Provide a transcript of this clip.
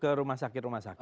ke rumah sakit rumah sakit